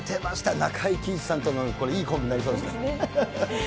中井貴一さんとのいいコンビになりそうですね。